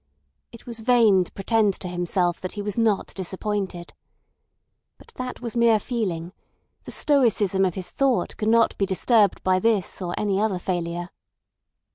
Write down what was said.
It was vain to pretend to himself that he was not disappointed. But that was mere feeling; the stoicism of his thought could not be disturbed by this or any other failure.